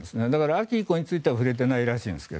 秋以降については触れていないらしいんですが。